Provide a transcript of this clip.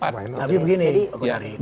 empat tapi begini pak gunari